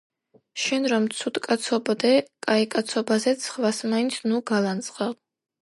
„შენ რომ ცუდკაცობდე, კაიკაცობაზედ სხვას მაინც ნუ გალანძღავ.“